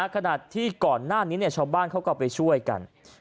ขณะที่ก่อนหน้านี้ชาวบ้านเขาก็ไปช่วยกัน